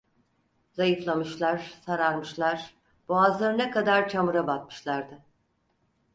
Zayıflamışlar, sararmışlar, boğazlarına kadar çamura batmışlardı…